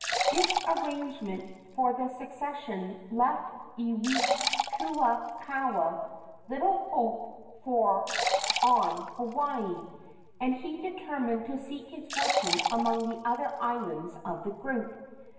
This arrangement for the succession left Iwikauikaua little to hope for on Hawaii, and he determined to seek his fortune among the other islands of the group.